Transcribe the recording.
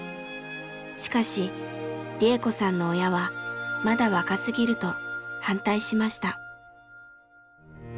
しかし利恵子さんの親はまだ若すぎると反対しました。